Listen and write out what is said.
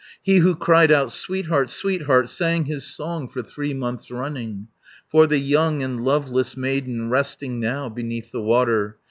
He who cried out, "Sweetheart, sweetheart!" Sang his song for three months running, For the young and loveless maiden, Resting now beneath the water.